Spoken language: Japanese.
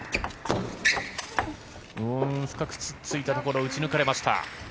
深く突っついたところ打ち抜かれました。